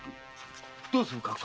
どうする？